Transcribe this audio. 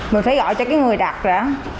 mình phải gọi cho cái người đặt ra